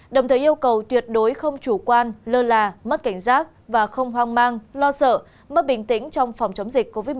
đồng thời yêu cầu tuyệt đối không chủ quan lơ là mất cảnh giác và không hoang mang lo sợ mất bình tĩnh trong phòng chống dịch covid một mươi chín